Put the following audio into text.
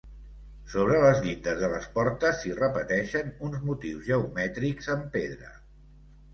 Sobre les llindes de les portes s'hi repeteixen uns motius geomètrics en pedra.